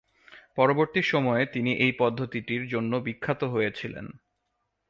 পরবর্তী সময়ে তিনি এই পদ্ধতিটির জন্য বিখ্যাত হয়েছিলেন।